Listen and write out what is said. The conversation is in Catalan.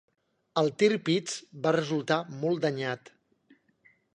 El "Tirpitz" va resultar molt danyat.